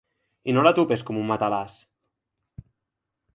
I no l’atupes com un matalàs.